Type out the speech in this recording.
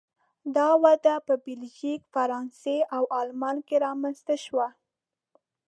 دا وده په بلژیک، فرانسې او آلمان کې رامنځته شوه.